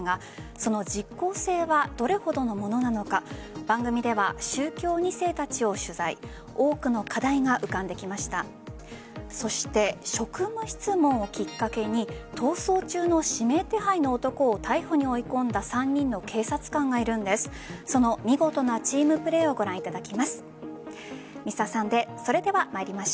そして、職務質問をきっかけに逃走中の指名手配の男を逮捕に追い込んだ３人の警察官がいるんです。